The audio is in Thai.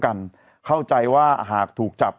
กันเข้าใจว่าหากถูกจับ